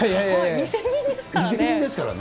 ２０００人ですからね。